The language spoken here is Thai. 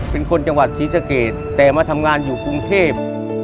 เป็นคนจังหวัดศรีสะเกดแต่มาทำงานอยู่กรุงเทพ